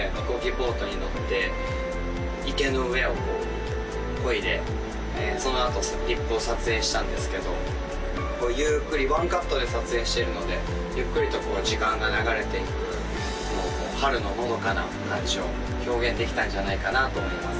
ボートに乗って池の上をこうこいでそのあと先っぽを撮影したんですけどゆっくりワンカットで撮影してるのでゆっくりとこう時間が流れていくのを春ののどかな感じを表現できたんじゃないかなと思います